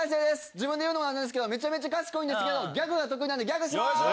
自分で言うのも何ですけどめちゃめちゃ賢いんですけどギャグが得意なんでギャグします！